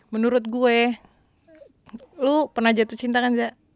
menurut gue lu pernah jatuh cinta kan zaa